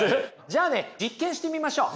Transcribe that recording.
じゃあね実験してみましょう。